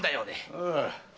ああ。